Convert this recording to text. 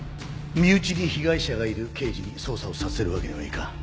身内に被害者がいる刑事に捜査をさせるわけにはいかん。